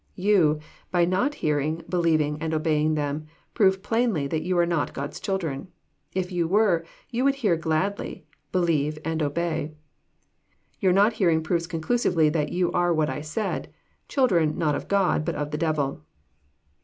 You, by not hearing, believing, and obeying them, prove plainly that you are not God's children. If yon were, yon would hear gladly, believe, and obey. Your not hearing proves conclusively that you are what I said, children, not of God, bat of the devil."